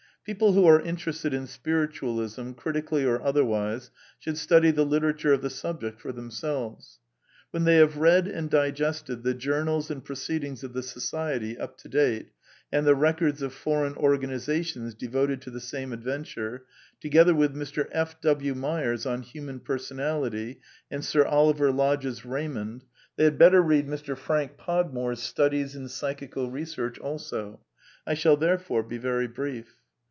People who are interested in Spiritual ism," critically or otherwise, should study the literature of the subject for themselves. When they have read and digested the Journals and Proceedings of the Society up to date, and the records of foreign organizations devoted to the same adventure, together with Mr. F. W. Myers on Human Personality and Sir Oliver Lodge's Raymond, they had better read Mr. Frank Podmore's Studies in Psychical Research also. I shall, therefore, be very brief.